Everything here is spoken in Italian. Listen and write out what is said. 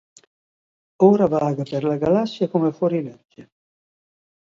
Ora vaga per la galassia come fuorilegge.